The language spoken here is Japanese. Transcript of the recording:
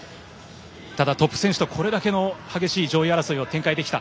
ただトップ選手とこれだけの激しい上位争いを展開できた。